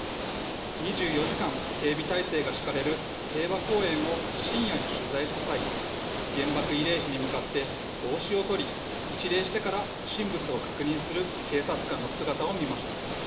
２４時間、警備態勢が敷かれる平和公園を深夜に取材した際、原爆慰霊碑に向かって帽子を取り一礼してから不審物を確認する警察官の姿を見ました。